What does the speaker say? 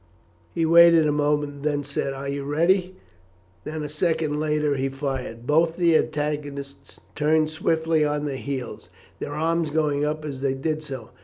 He waited a moment, and then said "Are you ready?" Then a second later he fired. Both the antagonists turned swiftly on their heels, their arms going up as they did so.